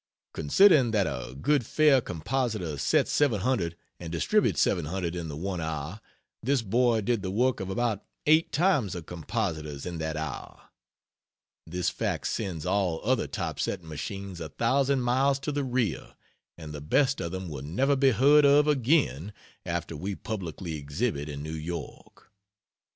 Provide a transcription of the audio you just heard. Considering that a good fair compositor sets 700 and distributes 700 in the one hour, this boy did the work of about 8 x a compositors in that hour. This fact sends all other type setting machines a thousand miles to the rear, and the best of them will never be heard of again after we publicly exhibit in New York.